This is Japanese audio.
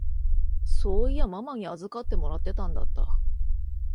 そういやママに預かってもらってたんだった。